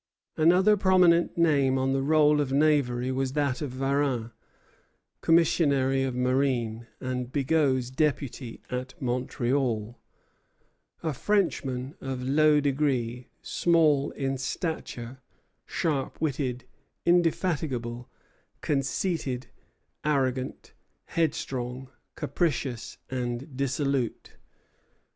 Another prominent name on the roll of knavery was that of Varin, commissary of marine, and Bigot's deputy at Montreal, a Frenchman of low degree, small in stature, sharp witted, indefatigable, conceited, arrogant, headstrong, capricious, and dissolute.